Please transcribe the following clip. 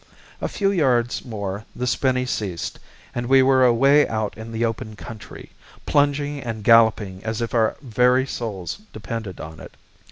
A few yards more the spinney ceased, and we were away out in the open country, plunging and galloping as if our very souls depended on it.